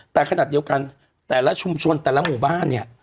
แต่ขณะเดียวกันแต่ละชุมชนแต่ละหมู่บ้านเนี่ย